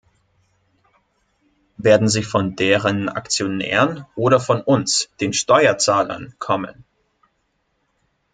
Werden sie von deren Aktionären oder von uns, den Steuerzahlern, kommen?